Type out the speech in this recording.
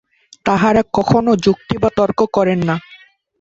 তাঁহারা কখনও যুক্তি বা তর্ক করেন না।